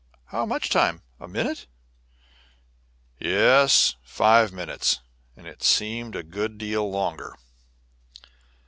"How much time? A minute?" "Yes, five minutes; and it seemed a good deal longer."